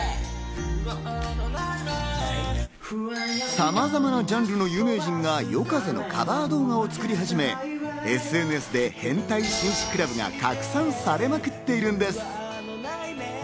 さまざまなジャンルの有名人が『ＹＯＫＡＺＥ』のカバー動画を作り始めＳＮＳで変態紳士クラブが拡散されまくっているんです。